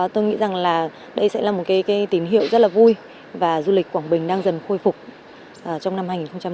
tôi nghĩ rằng đây sẽ là một tín hiệu rất vui và du lịch quảng bình đang dần khôi phục trong năm hai nghìn một mươi bảy